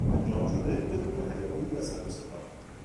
انجام شده بدون هیاهو و سروصدا